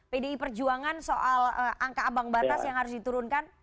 pdi perjuangan soal angka abang batas yang harus diturunkan